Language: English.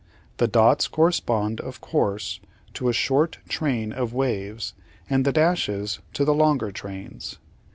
The dots correspond, of course, to a short train of waves, and the dashes to the longer trains.